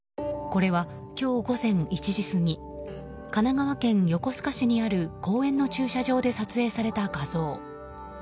これは今日午前１時過ぎ神奈川県横須賀市にある公園の駐車場で撮影された画像。